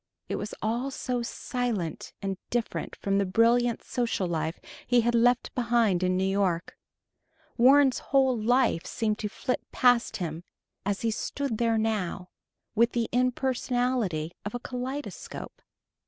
It was all so silent and different from the brilliant social life he had left behind in New York. Warren's whole life seemed to flit past him, as he stood there now, with the impersonality of a kaleidoscope.